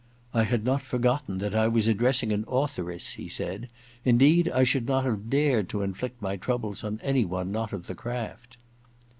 ^I had not forgotten that I was addressing an authoress,' he said. * Indeed, I should not have dared to inflict my troubles on any one not of the craft.'